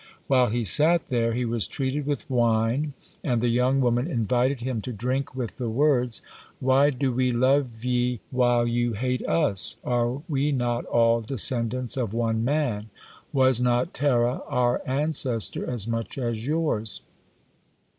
While he sat there, he was treated with wine, and the young woman invited him to drink with the words: "Why do we love ye while you hate us? Are we not all descendants of one man? Was not Terah our ancestor as much as yours?